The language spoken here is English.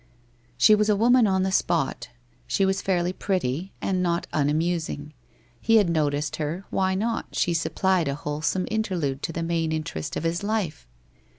She was a woman on the spot. She was fairly pretty, and not unamusing. He had noticed her, why not, she supplied a wholesome interlude to the main interest of his life